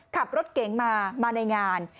ขับรถเก๋งมามาในงาน